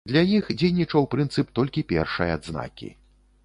Для іх дзейнічаў прынцып толькі першай адзнакі.